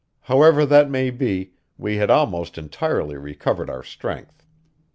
However that may be, we had almost entirely recovered our strength.